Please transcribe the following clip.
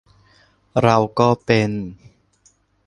เราก็ 'เป็น'